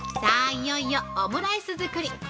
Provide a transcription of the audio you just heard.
いよいよオムライス作り！